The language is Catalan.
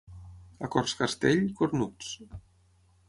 A Cortscastell, cornuts.